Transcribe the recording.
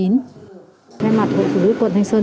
ngay mặt hội phụ nữ quận thanh xuân